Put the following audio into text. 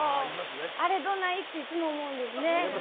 あれ、どない？っていつも思うんですよね。